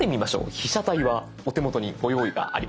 被写体はお手元にご用意があります。